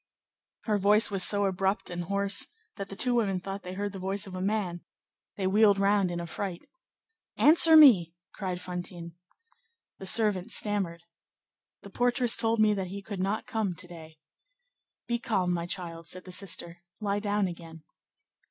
Her voice was so abrupt and hoarse that the two women thought they heard the voice of a man; they wheeled round in affright. "Answer me!" cried Fantine. The servant stammered:— "The portress told me that he could not come to day." "Be calm, my child," said the sister; "lie down again."